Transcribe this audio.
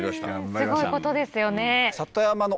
すごいことですよね。